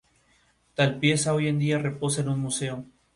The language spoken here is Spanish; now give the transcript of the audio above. Tal pieza hoy día reposa en un museo.